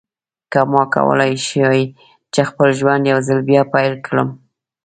که ما کولای شوای چې خپل ژوند یو ځل بیا پیل کړم.